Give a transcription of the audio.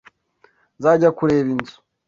Nzajya kureba inzu.